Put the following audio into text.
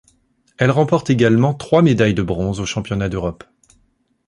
Elle remporte également trois médailles de bronze aux Championnats d'Europe.